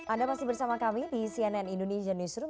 anda masih bersama kami di cnn indonesian newsroom